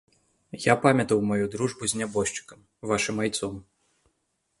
Я памятаў маю дружбу з нябожчыкам вашым айцом.